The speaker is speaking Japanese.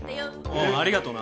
おうありがとな。